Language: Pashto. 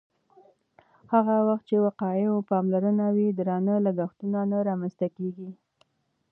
هغه وخت چې وقایوي پاملرنه وي، درانه لګښتونه نه رامنځته کېږي.